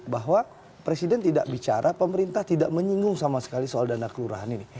bahwa presiden tidak bicara pemerintah tidak menyinggung sama sekali soal dana kelurahan ini